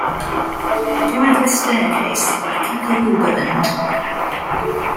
Bridal Staircase - by Kathy Huberland.